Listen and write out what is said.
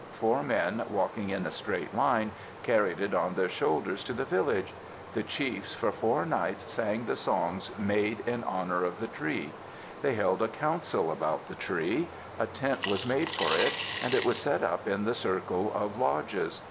Four men, walking in a straight line, carried it on their shoulders to the village. The chiefs for four nights sang the songs made in honor of the tree. They held a council about the tree. A tent was made for it, and it was set up in the circle of lodges.